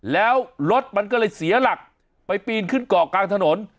แล้วรถมันก็เลยเสียหลักไปปีนขึ้นเกาะกลางถนน